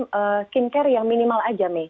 lihat skincare yang minimal aja me